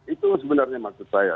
itu sebenarnya maksud saya